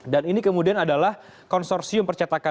dan ini kemudian adalah konsorsium percetakan